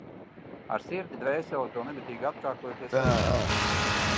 Ar sirdi, dvēseli, to nemitīgi atkārtoju pie sevis.